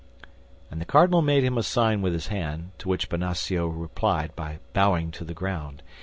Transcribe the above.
_" And the cardinal made him a sign with his hand, to which Bonacieux replied by bowing to the ground.